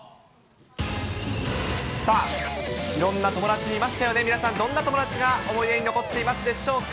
さあ、いろんな友達いましたよね、皆さん、どんな友達が思い出に残っていますでしょうか。